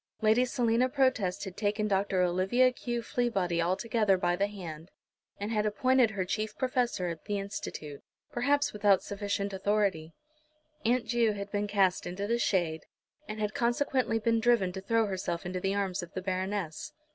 Lady Selina Protest had taken Dr. Olivia Q. Fleabody altogether by the hand, and had appointed her chief professor at the Institute, perhaps without sufficient authority. Aunt Ju had been cast into the shade, and had consequently been driven to throw herself into the arms of the Baroness.